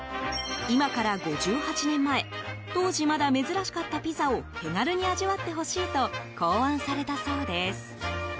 今から５８年前当時、まだ珍しかったピザを手軽に味わってほしいと考案されたそうです。